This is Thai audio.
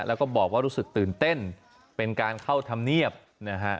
แล้วก็บอกว่ารู้สึกตื่นเต้นเป็นการเข้าธรรมเนียบนะฮะ